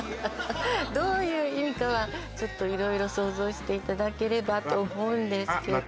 どういう意味かはちょっと色々想像していただければと思うんですけどあっ